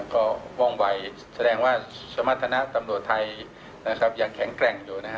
ก็ว่องไหวแสดงว่าชมธนตำรวจไทยยังแข็งแกร่งอยู่